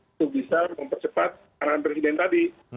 untuk bisa mempercepat arahan presiden tadi